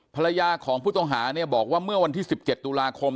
ภรรยาของผู้ต้องหาเนี่ยบอกว่าเมื่อวันที่๑๗ตุลาคม